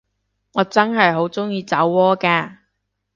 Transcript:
我真係好鍾意酒窩㗎